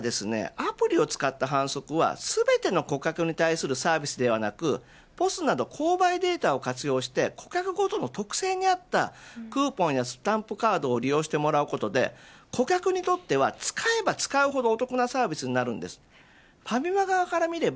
アプリを使った販促は全ての顧客に対するサービスではなくＰＯＳなど購買データを活用して顧客ごとの特性に合ったクーポンやスタンプカードなどを利用してもらうことで顧客にとっては使えば使うほどお得なサービスになるんです。